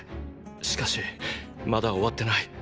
しかしまだ終わってない。